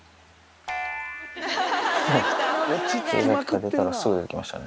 池崎が外出たら、すぐ出てきましたね。